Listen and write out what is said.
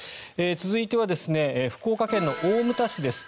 続いては福岡県の大牟田市です。